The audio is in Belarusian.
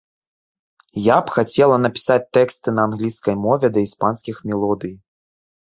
Я б хацела напісаць тэксты на англійскай мове да іспанскіх мелодый.